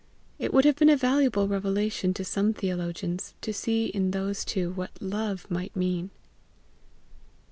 It would have been a valuable revelation to some theologians to see in those two what love might mean.